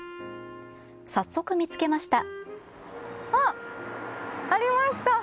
早速、見つけました。